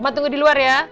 oma tunggu di luar ya